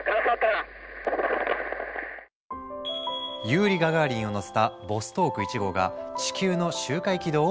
ユーリイ・ガガーリンを乗せたボストーク１号が地球の周回軌道を一周。